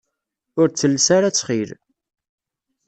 Ur ttelles ara ttxil.